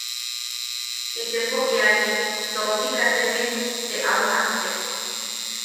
Itepo iani, tomti kateme, te au japtek.